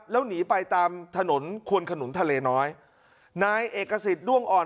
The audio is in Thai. แล้วหนีไปตามถนนควนขนุนทะเลน้อยนายเอกสิทธิ์ด้วงอ่อน